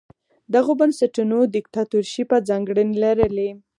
دغو بنسټونو دیکتاتورشیپه ځانګړنې لرلې.